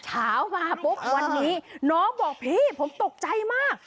เช้ามาปุ๊บวันนี้น้องบอกพี่ผมตกใจมาก